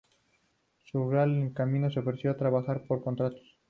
Surreal, en cambio, se ofreció a trabajar por contratos.